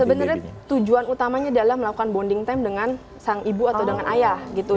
sebenarnya tujuan utamanya adalah melakukan bonding time dengan sang ibu atau dengan ayah gitu